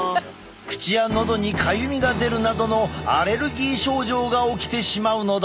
口やのどにかゆみが出るなどのアレルギー症状が起きてしまうのだ。